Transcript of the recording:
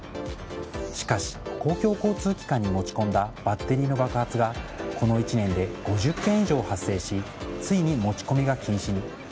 しかし公共交通機関に持ち込んだバッテリーの爆発がこの１年で５０件以上発生しついに持ち込みが禁止に。